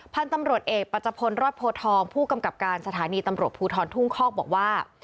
พันธุ์ตำรวจเอกปัจจพลรอดโพทองผู้กำกับการสถานีตำรวจภูทรทุ่งคอกบอกว่า